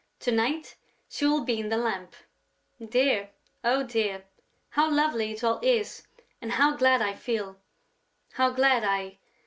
To night, she will be in the lamp. Dear, oh, dear, how lovely it all is and how glad I feel, how glad I...."